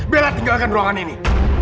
bella tinggalkan ruangan ini